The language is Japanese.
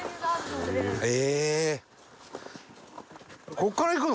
ここから行くの？